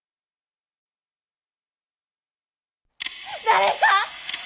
誰か！